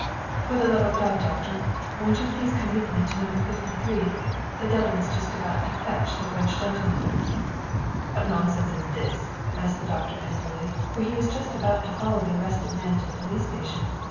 " For the love of God, doctor, won't you please come with me to No. 53? The devil is just about to fetch the French gentleman." " What nonsense is this ?" asked the doctor angrily, for he was just about to follow the arrested man to the police station.